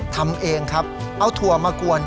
ทำเองครับเอาถั่วมากวน